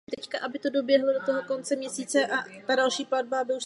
Byl nazýván „maršálem chudých“.